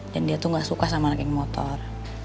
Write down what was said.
dan dia tuh gak suka sama anak yang motor